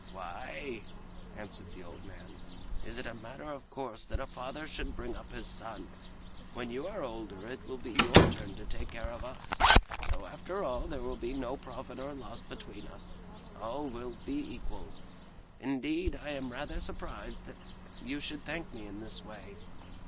"Why," answered the old man, "it is a matter of course that a father should bring up his son. When you are older it will be your turn to take care of us, so after all there will be no profit or loss between us—all will be equal. Indeed, I am rather surprised that you should thank me in this way!"